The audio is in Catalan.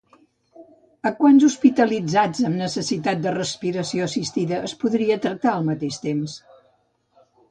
A quants hospitalitzats amb necessitat de respiració assistida es podria tractar al mateix temps?